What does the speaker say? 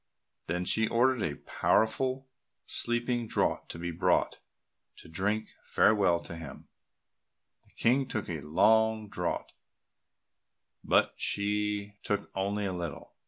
Then she ordered a powerful sleeping draught to be brought, to drink farewell to him; the King took a long draught, but she took only a little.